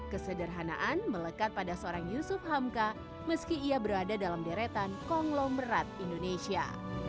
kesederhanaan melekat pada seorang yusuf hamka meski ia berada dalam deretan konglomerat indonesia